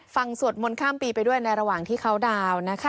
สวดมนต์ข้ามปีไปด้วยในระหว่างที่เขาดาวน์นะคะ